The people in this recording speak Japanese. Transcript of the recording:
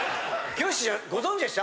きよし師匠ご存じでした？